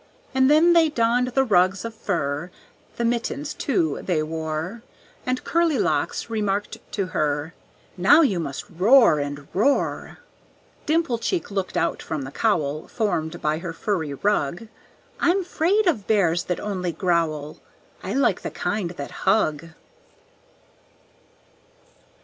And then they donned the rugs of fur, The mittens, too, they wore; And Curlilocks remarked to her, "Now you must roar and roar." Dimplecheek looked out from the cowl Formed by her furry rug. "I'm 'fraid of bears that only growl I like the kind that hug."